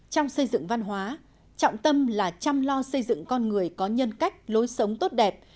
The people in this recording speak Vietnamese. trong xây dựng văn hóa trọng tâm là chăm lo xây dựng con người có nhân cách lối sống tốt đẹp